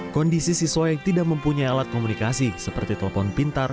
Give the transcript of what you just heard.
kondisi siswa yang tidak mempunyai alat komunikasi seperti telepon pintar